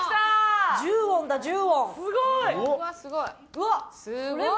うわっすごい。